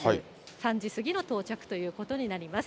３時過ぎの到着ということになります。